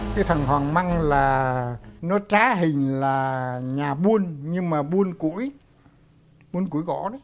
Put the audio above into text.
cái thần hoàng măng là nó trá hình là nhà buôn nhưng mà buôn củi buôn củi gõ đấy